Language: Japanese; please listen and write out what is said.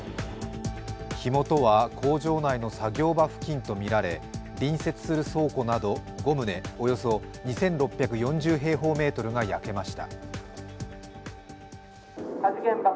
火元は工場内の作業場付近とみられ隣接する倉庫など５棟、およそ２６４０平方メートルが焼けました。